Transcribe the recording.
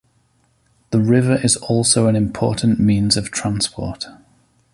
The river is also an important means of transport.